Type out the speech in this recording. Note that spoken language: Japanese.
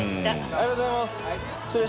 ありがとうございます！